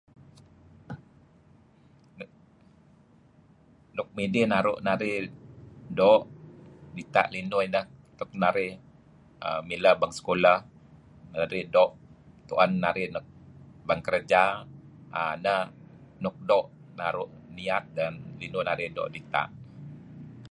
Nuk midih naru' narih doo' dita' linuh inah nuk naru' narih milah bang sekolah narih doo' tuen narih nuk bang kerja. Nah nuk doo' naru' niat linuh narih doo liat.